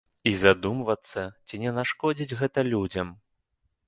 І задумвацца, ці не нашкодзіць гэта людзям.